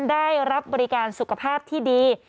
ได้รับบริการสุขภาพที่ดี